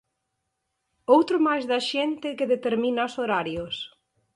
Outro máis da xente que determina os horarios.